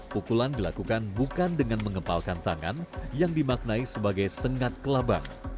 pukulan dilakukan bukan dengan mengepalkan tangan yang dimaknai sebagai sengat kelabang